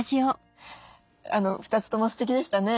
２つともすてきでしたね。